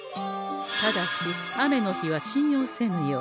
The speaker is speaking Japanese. ただし雨の日は信用せぬように。